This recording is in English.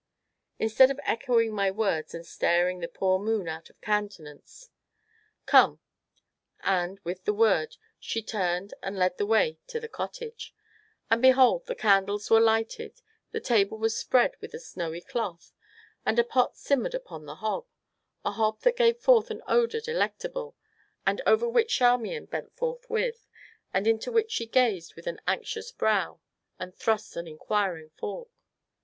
"Instead of echoing my words and staring the poor moon out of countenance? Come," and, with the word, she turned and led the way to the cottage. And behold, the candles were lighted, the table was spread with a snowy cloth, and a pot simmered upon the hob: a pot that gave forth an odor delectable, and over which Charmian bent forthwith, and into which she gazed with an anxious brow and thrust an inquiring fork.